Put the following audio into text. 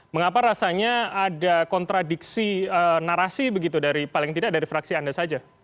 mengapa rasanya ada kontradiksi narasi begitu dari paling tidak dari fraksi anda saja